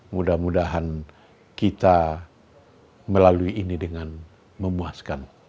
mudah mudahan kita melalui ini dengan memuaskan